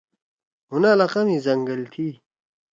مُھن علاقہ می زنگل تھی۔